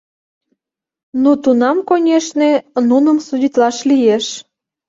Ну, тунам, конешне, нуным судитлаш лиеш!